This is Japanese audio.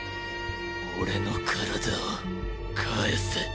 俺の体を返せ。